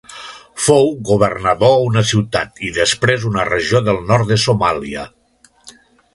Fou governador a una ciutat i després una regió del nord de Somàlia.